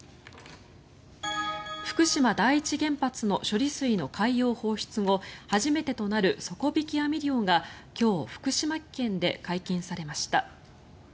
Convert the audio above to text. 福島第一原発の処理水の海洋放出後初めてとなる底引き網漁が今日、福島県で解禁されました。